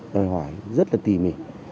rồi hỏi rất là tỉ mỉ